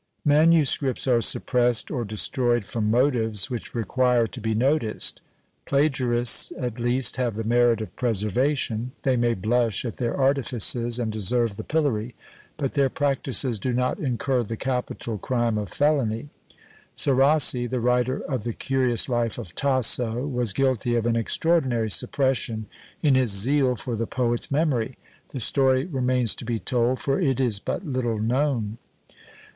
Manuscripts are suppressed or destroyed from motives which require to be noticed. Plagiarists, at least, have the merit of preservation: they may blush at their artifices, and deserve the pillory, but their practices do not incur the capital crime of felony. Serassi, the writer of the curious Life of Tasso, was guilty of an extraordinary suppression in his zeal for the poet's memory. The story remains to be told, for it is but little known.